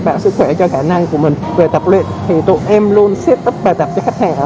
bảo sức khỏe cho khả năng của mình về tập luyện thì tụi em luôn set up bài tập cho khách hàng ở